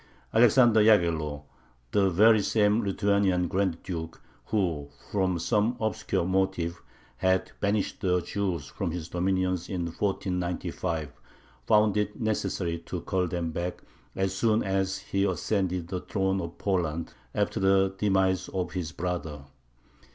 Alexander Yaghello, the very same Lithuanian Grand Duke who, from some obscure motive, had banished the Jews from his dominions in 1495, found it necessary to call them back as soon as he ascended the throne of Poland, after the demise of his brother.